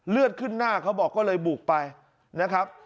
เลือดขึ้นหน้าเขาบอกก็เลยบุกไปนะครับ